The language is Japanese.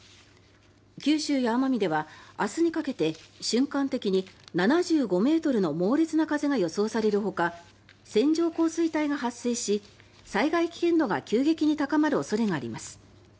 九州や奄美では明日にかけて瞬間的に７５ｍの猛烈な風が予想されるほか線状降水帯が発生し災害危険度が急激に高まる恐れがあります。